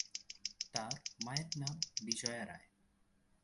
তাঁর মায়ের নাম বিজয়া রায়।